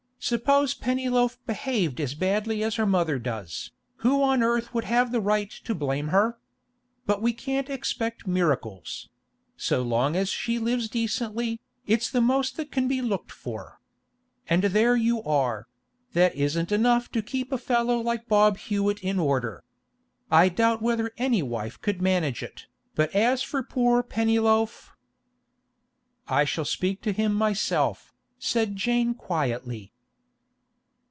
Suppose Pennyloaf behaved as badly as her mother does, who on earth would have the right to blame her? But we can't expect miracles; so long as she lives decently, it's the most that can be looked for. And there you are; that isn't enough to keep a fellow like Bob Hewett in order. I doubt whether any wife would manage it, but as for poor Pennyloaf—' 'I shall speak to him myself,' said Jane quietly.